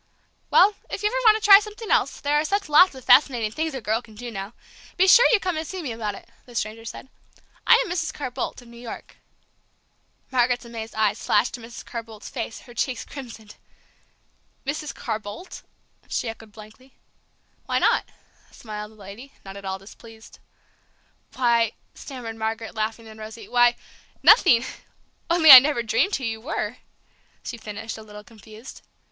"Well, if you ever want to try something else, there are such lots of fascinating things a girl can do now! be sure you come and see me about it," the stranger said. "I am Mrs. Carr Boldt, of New York." Margaret's amazed eyes flashed to Mrs. Carr Boldt's face; her cheeks crimsoned. "Mrs. Carr Boldt!" she echoed blankly. "Why not?" smiled the lady, not at all displeased. "Why," stammered Margaret, laughing and rosy, "why, nothing only I never dreamed who you were!" she finished, a little confused.